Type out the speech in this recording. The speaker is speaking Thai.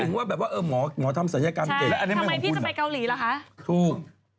ทำไมพี่จะไปเกาหลีเหรอคะ